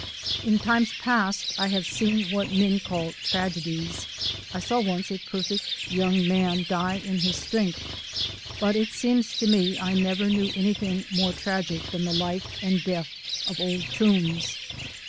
In times past I have seen what men call tragedies I saw once a perfect young man die in his strength but it seems to me I never knew anything more tragic than the life and death of Old Toombs.